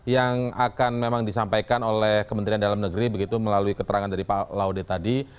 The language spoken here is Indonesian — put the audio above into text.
yang akan memang disampaikan oleh kementerian dalam negeri begitu melalui keterangan dari pak laude tadi